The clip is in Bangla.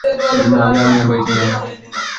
আমি আর ভাই চাই না।